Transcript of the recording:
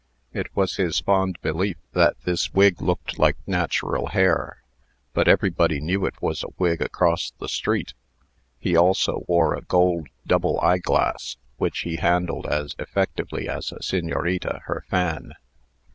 It was his fond belief that this wig looked like natural hair; but everybody knew it was a wig across the street. He also wore a gold double eyeglass, which he handled as effectively as a senorita her fan.